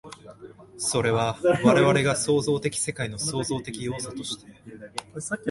それは我々が創造的世界の創造的要素として、